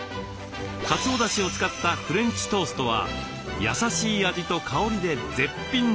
かつおだしを使ったフレンチトーストは優しい味と香りで絶品です。